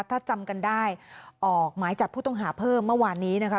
ถ้าจำกันได้ออกหมายจับผู้ต้องหาเพิ่มเมื่อวานนี้นะคะ